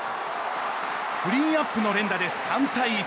クリーンアップの連打で３対１。